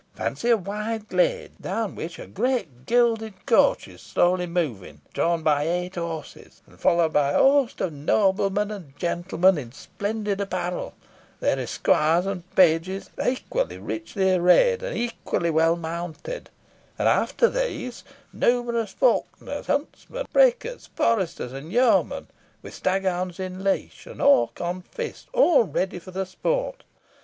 Fancy a wide glade, down which a great gilded coach is slowly moving, drawn by eight horses, and followed by a host of noblemen and gentlemen in splendid apparel, their esquires and pages equally richly arrayed, and equally well mounted; and, after these, numerous falconers, huntsmen, prickers, foresters, and yeomen, with staghounds in leash, and hawk on fist, all ready for the sport.